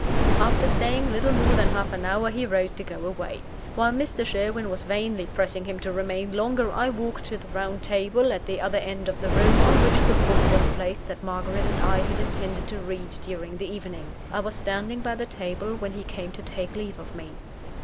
After staying little more than half an hour, he rose to go away. While Mr. Sherwin was vainly pressing him to remain longer, I walked to the round table at the other end of the room, on which the book was placed that Margaret and I had intended to read during the evening. I was standing by the table when he came to take leave of me.